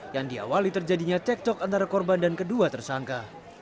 yang diawali terjadinya cekcok antara korban dan kedua tersangka